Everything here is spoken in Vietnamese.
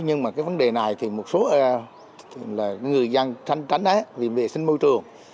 nhưng mà cái vấn đề này thì một số là người dân thanh tránh vì vệ sinh môi trường